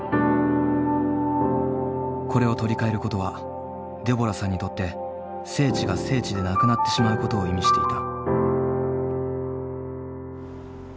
これを取り替えることはデボラさんにとって聖地が聖地でなくなってしまうことを意味していた。